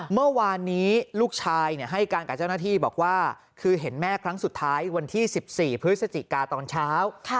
เมื่อวานนี้ลูกชายให้การกับเจ้าหน้าที่บอกว่าคือเห็นแม่ครั้งสุดท้ายวันที่๑๔พฤศจิกาตอนเช้า